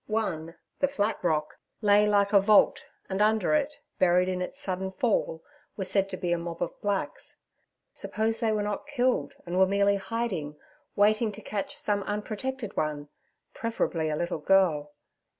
One, 'The Flat Rock' lay like a vault, and under it, buried in its sudden fall, were said to be a mob of blacks. Suppose they were not killed, and were merely hiding, waiting to catch some unprotected one, preferably a little girl.